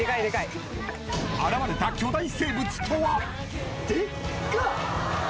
現れた巨大生物とは？